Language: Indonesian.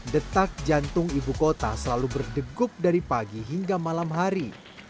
detak jantung ibu kota selalu berdegup dari pagi hingga malam hari